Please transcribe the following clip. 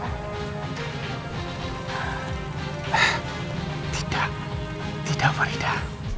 eh tidak tidak farida